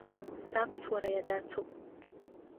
Саԥсуара иадацуп.